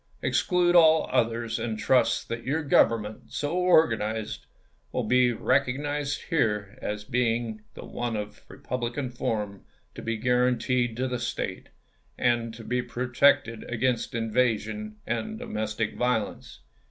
Exclude all others ; and trust that your government so organized will be recognized here as being the one of republican form to be guaranteed to the State, and to be protected against invasion and do mestic violence.